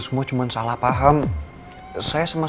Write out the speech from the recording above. bagaimana restorannya juga sudah jelas